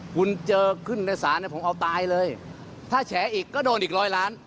คุณเจอขึ้นในศาลเนี่ยผมเอาตายเลยถ้าแฉอีกก็โดนอีกร้อยล้าน